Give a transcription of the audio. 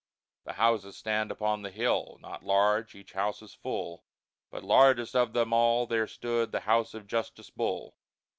The houses stand upon the hill, Not large, each house is full, But largest of them all there stood The house of Justice Bull.